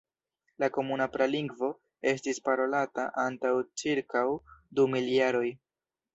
La komuna pralingvo estis parolata antaŭ ĉirkaŭ du mil jaroj.